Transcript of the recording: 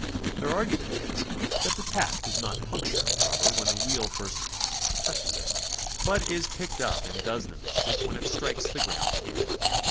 Their argument is that the tack does not puncture the rubber when the wheel first touches it, but is picked up and does the mischief when it strikes the ground again.